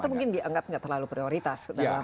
atau mungkin dianggap tidak terlalu prioritas